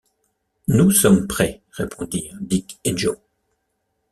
Nous sommes prêts, répondirent Dick et Joe.